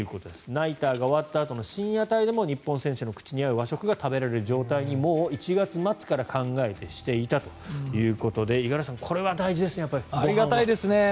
ナイターが終わったあとの深夜帯でも日本選手の口に合う食事が食べられる状態にもう１月末から考えてしていたということでありがたいですね。